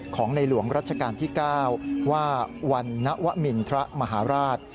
ของในหลวงรัชกาลที่๙ว่าวันนวมินทรมหาราช